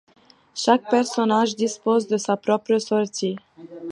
Chaque personnage dispose de sa propre sortie.